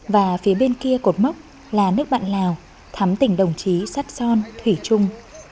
và phía bên kia cột mốc là nước bạn lào thắm tỉnh đồng chí sát son thủy trung